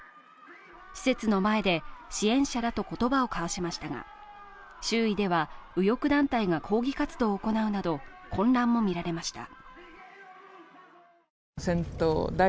施設の前で支援者らと言葉を交わしましたが周囲では、右翼団体が抗議活動を行うなど混乱もみられました。